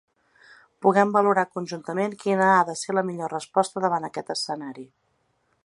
Puguem valorar conjuntament quina ha de ser la millor resposta davant aquest escenari.